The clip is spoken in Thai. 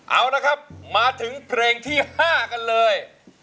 เอาละครับมาถึงเพลงที่๕กันเลย